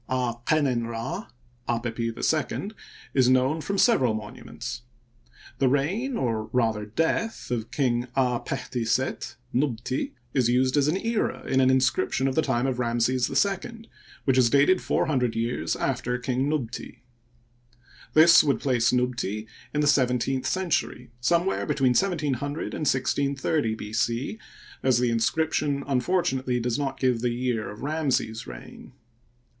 Ad genen Rd, Apept II, is known from several monuments. The reign, or rather death, of King Ad pektz Set, Nubti, is used as an era in an inscription of the time of Ramses II, which is dated four hundred years after King Nubti, This would place Nubti in the seventeenth century, somewhere be tween 1700 and 163a B. c, as the inscription unfortunately does not give the year of Ramses's reign.